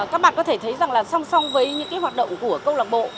các bạn có thể thấy rằng là song song với những hoạt động của công lợc bộ